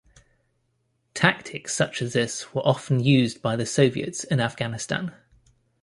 Tactics such as this were often used by the Soviets in Afghanistan.